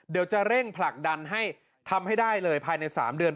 เดี๋ยวจะเร่งผลักดันให้ทำให้ได้เลยภายใน๓เดือน